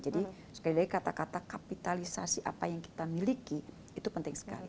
jadi sekali lagi kata kata kapitalisasi apa yang kita miliki itu penting sekali